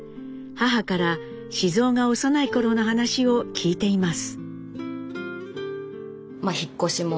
母から雄が幼い頃の話を聞いています。